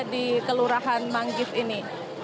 di kelurahan manggis ini